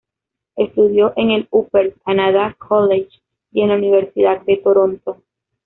Estudió en el Upper Canada College y en la Universidad de Toronto.